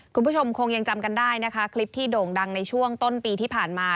คุณผู้ชมคงยังจำกันได้นะคะคลิปที่โด่งดังในช่วงต้นปีที่ผ่านมา